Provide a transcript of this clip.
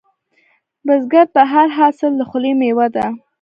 بزګر ته هر حاصل د خولې میوه ده